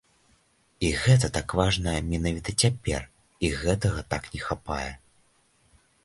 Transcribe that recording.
І гэта так важна менавіта цяпер, і гэтага так не хапае.